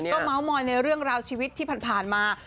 ก็เมาส์มอยในเรื่องราวชีวิตที่ผ่านมา